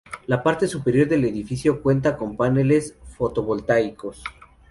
La parte superior del edificio cuenta con paneles fotovoltaicos.